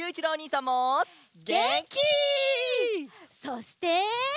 そして。